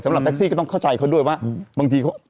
สำหรับแท็กซี่ก็ต้องเข้าใจเขาด้วยว่า